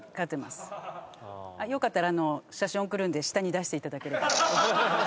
よかったら写真送るんで下に出していただければ。